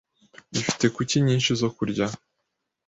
Ifite kuki nyinshi zo kurya